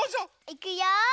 いくよ。